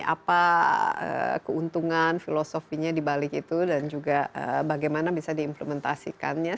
apa keuntungan filosofinya dibalik itu dan juga bagaimana bisa diimplementasikannya